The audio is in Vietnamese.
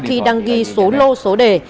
khi đăng ghi số lô số đề